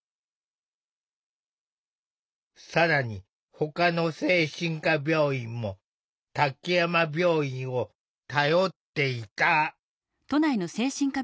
更にほかの精神科病院も滝山病院を頼っていた。